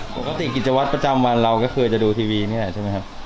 ปกติกิจวัตรประจำวันเราก็เคยจะดูทีวีนี่แหละใช่ไหมครับ